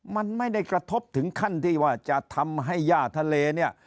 มันไม่ได้กระทบถึงขั้นที่ว่าจะทำให้ย่าทะเลเนี่ย